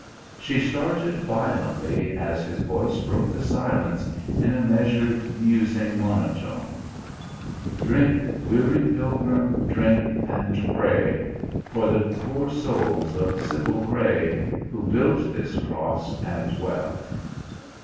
She started violently as his voice broke the silence in a measured, musing monotone: "'Drink, weary pilgrim, drink and pray For the poor soul of Sibyl Grey, Who built this cross and well.'